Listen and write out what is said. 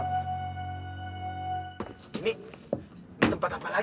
rita ya ampun